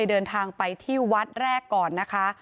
เดินทางไปที่วัดแรกก่อนนะคะ